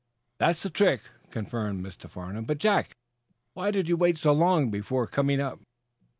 "That's the trick," confirmed Mr. Farnum. "But, Jack, why did you wait so long before coming up."